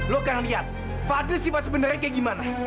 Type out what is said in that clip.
lo akan lihat fadil sih pas sebenarnya kayak gimana